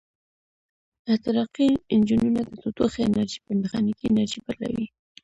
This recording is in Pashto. احتراقي انجنونه د تودوخې انرژي په میخانیکي انرژي بدلوي.